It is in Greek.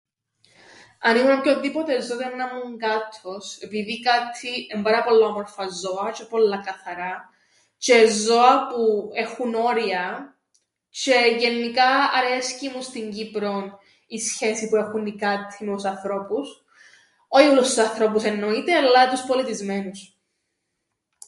Αν ήμουν οποιονδήποτε ζώον, ήταν να 'μουν κάττος, επειδή οι κάττοι εν' πάρα πολλά όμορφα ζώα τζ̆αι πολλά καθαρά, τζ̆αι ζώα που έχουν όρια, τζ̆αι γεννικά αρέσκει μου στην Κύπρον η σχέση που έχουν οι κάττοι με τους ανθρώπους, όι ούλλους τους ανθρώπους εννοείται, αλλά τους πολιτισμένους.